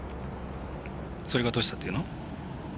それがどうしたっていうの？